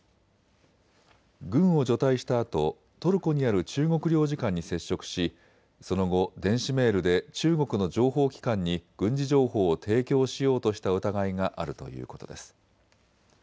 軍を除隊したあとトルコにある中国領事館に接触しその後、電子メールで中国の情報機関に軍事情報を提供しようとした疑いがあるということです。